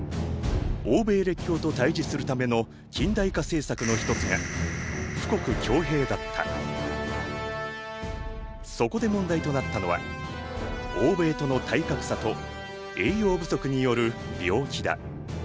欧米列強と対じするための近代化政策の一つがそこで問題となったのは欧米との体格差と栄養不足による病気だ。